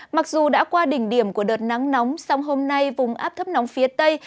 mặc dù đã qua đỉnh điểm của đợt nắng nóng song hôm nay vùng áp thấp nóng phía tây